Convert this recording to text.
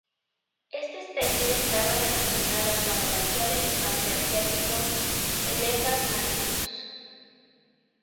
Esta especie estaba relacionada con el actual elefante asiático, "Elephas maximus".